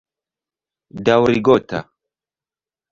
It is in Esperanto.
Daŭrigota.